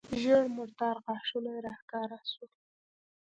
ژېړ مردار غاښونه يې راښکاره سول.